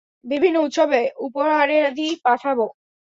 বিভিন্ন উৎসবে উপহারাদি পাঠাবো।